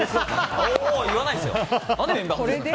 言わないですよ！